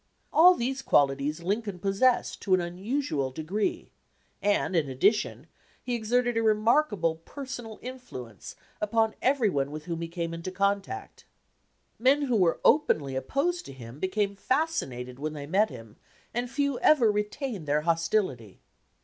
All these qualities Lincoln possessed to an unusual degree, and, in addition, he exerted a remarkable personal influence upon every one with whom he came into contact. Men who were openly op posed to him became fascinated when they met him, and few ever retained their hostility.